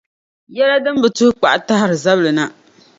Yɛla din bi tuhi kpaɣa tahiri zabili na.